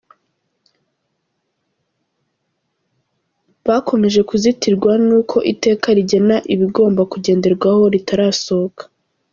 bakomeje kuzitirwa n’uko iteka rigena ibigomba kugenderwaho ritarasohoka